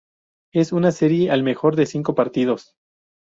Es en una serie al mejor de cinco partidos.